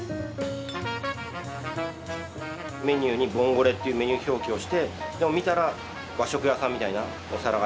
メニューにボンゴレというメニュー表記をしてでも見たら和食屋さんみたいなお皿が出てくる。